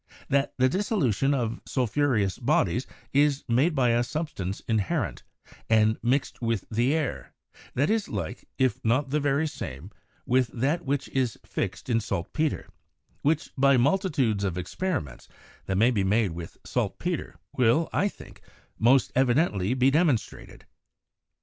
. that the dissolution of sulphureous bodies is made by a sub stance inherent, and mixt with the air, that is like, if not the very same, with that which is fixt in saltpeter, which by multitudes of experiments that may be made with saltpeter, will, I think, most evidently be demon strated.